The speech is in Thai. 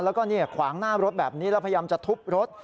แล้วก็ขวางหน้ารถแบบนี้แล้วพยายามจะทุบรถ